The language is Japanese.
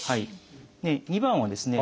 ２番はですね